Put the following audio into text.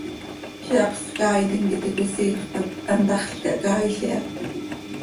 Ziix hapsx caaitim quih íti cöisiifp hac hantaxl cahcaail iha.